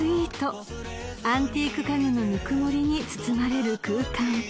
［アンティーク家具のぬくもりに包まれる空間］